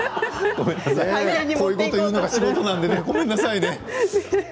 こういうこと言うのは素人なので、ごめんなさいね。